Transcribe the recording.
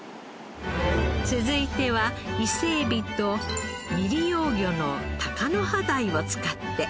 続いては伊勢えびと未利用魚のタカノハダイを使って。